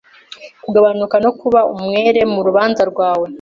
Kugabanuka no kuba umwere murubanza rwawe